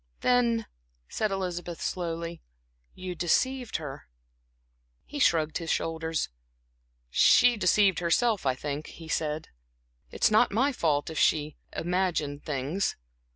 "Then," said Elizabeth, slowly "you deceived her." He shrugged his shoulders. "She deceived herself, I think," he said. "It's not my fault if she imagined things.